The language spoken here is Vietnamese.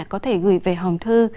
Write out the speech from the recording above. có thể gửi về hòm thư